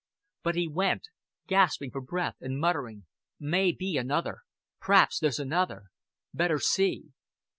But he went, gasping for breath, and muttering, "May be another. P'raps there's another. Better see."